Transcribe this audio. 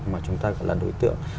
mà chúng ta gọi là đối tượng